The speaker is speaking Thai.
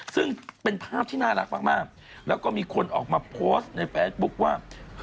ซึ่งเป็นภาพที่น่ารักมากแล้วก็มีคนออกมาโพสต์ในเฟซบุ๊คว่า